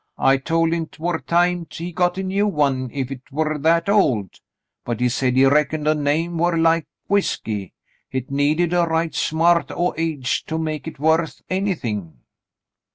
I told him 'twar time he got a new one if 'twere that old, but he said he reckoned a name war like whiskey — hit needed a right smart o' age to make hit worth anything."